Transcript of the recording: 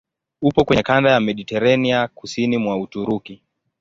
Upo kwenye kanda ya Mediteranea kusini mwa Uturuki.